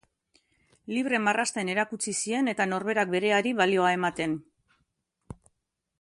Libre marrazten erakutsi zien eta norberak bereari balioa ematen.